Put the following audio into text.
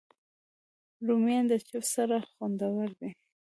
رومیان د چپس سره خوندور دي